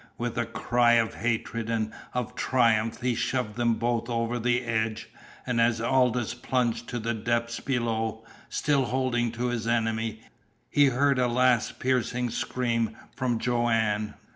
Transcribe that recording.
With a cry of hatred and of triumph he shoved them both over the edge, and as Aldous plunged to the depths below, still holding to his enemy, he heard a last piercing scream from Joanne.